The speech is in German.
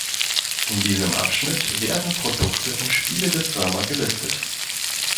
In diesem Abschnitt werden Produkte und Spiele der Firma gelistet.